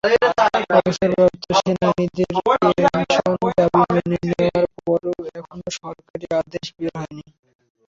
অবসরপ্রাপ্ত সেনানীদের পেনশন দাবি মেনে নেওয়ার পরেও এখনো সরকারি আদেশ বের হয়নি।